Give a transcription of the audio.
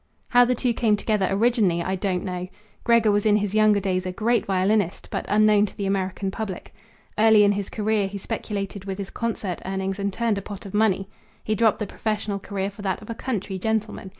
"How the two came together originally I don't know. Gregor was in his younger days a great violinist, but unknown to the American public. Early in his career he speculated with his concert earnings and turned a pot of money. He dropped the professional career for that of a country gentleman.